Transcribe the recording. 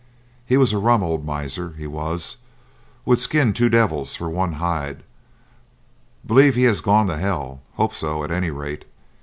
He was a rum old miser, he was, would skin two devils for one hide; believe he has gone to hell; hope so, at any rate.